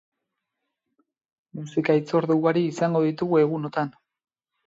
Musika-hitzordu ugari izango ditugu egunoetan.